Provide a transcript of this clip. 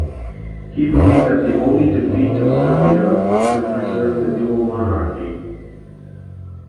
He believed that only the defeat of Serbia could preserve the Dual Monarchy.